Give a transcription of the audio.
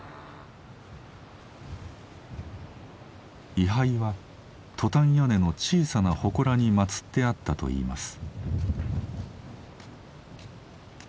位牌はトタン屋根の小さな祠に祭ってあったといいます。